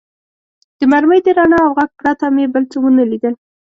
د مرمۍ د رڼا او غږ پرته مې بل څه و نه لیدل.